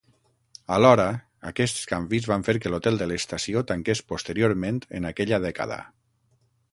Alhora, aquests canvis van fer que l'hotel de l'estació tanqués posteriorment en aquella dècada.